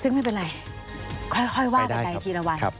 ซึ่งไม่เป็นไรค่อยว่ากันไปทีละวัน